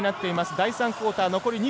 第３クオーターです。